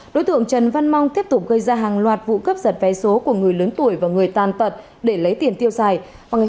đối tượng trần văn mong tiếp tục gây ra hàng loạt vụ cướp giật vé số của người lớn tuổi và người tàn tật để lấy tiền tiêu xài